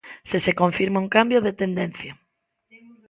Se se confirma un cambio de tendencia.